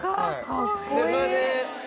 かっこいい